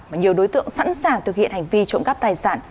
mà nhiều đối tượng sẵn sàng thực hiện hành vi trộm cắp tài sản